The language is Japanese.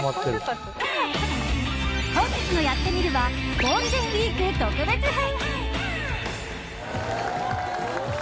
本日の「やってみる。」はゴールデンウィーク特別編。